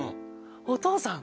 「お父さん！」